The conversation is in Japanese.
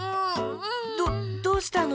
どどうしたの？